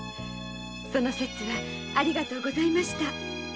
その節はありがとうございました。